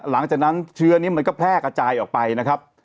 หลังจากนั้นเชื้อนี้มันก็แพร่กระจายออกไปนะครับ